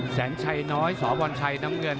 แสงชัยน้อยสวชัยน้ำเงิน